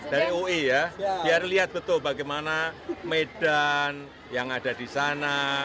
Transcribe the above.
dari ui ya biar lihat betul bagaimana medan yang ada di sana